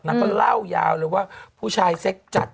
ก็เล่ายาวเลยว่าผู้ชายเซ็กจัด